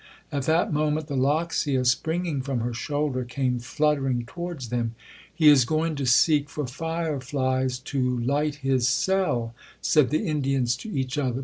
At that moment, the loxia, springing from her shoulder, came fluttering towards them. 'He is going to seek for fire flies to light his cell,'1 said the Indians to each other.